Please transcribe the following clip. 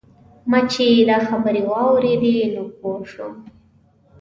ما چې دا خبرې واورېدې نو پوی شوم.